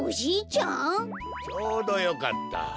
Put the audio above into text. ちょうどよかった。